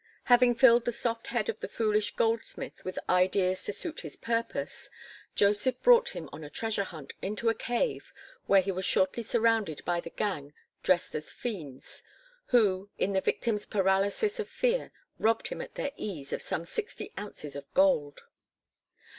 Having filled the soft head of the foolish goldsmith with ideas to suit his purpose, Joseph brought him on a treasure hunt into a cave where he was shortly surrounded by the gang dressed as fiends, who, in the victim's paralysis of fear, robbed him at their ease of some sixty ounces of gold.